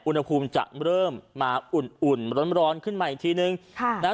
อุณหภูมิจะเริ่มมาอุ่นอุ่นร้อนร้อนขึ้นมาอีกทีนึงค่ะนะฮะ